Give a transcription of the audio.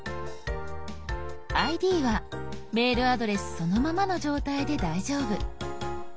「ＩＤ」はメールアドレスそのままの状態で大丈夫。